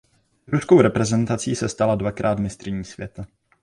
S ruskou reprezentací se stala dvakrát mistryní světa.